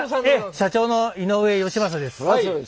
社長の井上吉勝です。